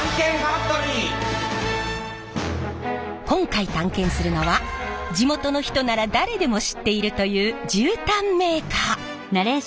今回探検するのは地元の人なら誰でも知っているという絨毯メーカー。